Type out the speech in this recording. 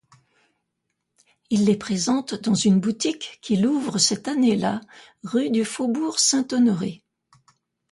Il les présente dans une boutique qu'il ouvre cette année-là rue du Faubourg-Saint-Honoré.